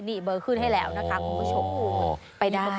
นี่เบอร์คืนให้แล้วนะคะคุณผู้ชม